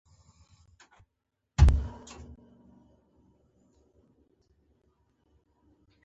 • شتمني که په غرور مصرف شي، پایله یې بربادي ده.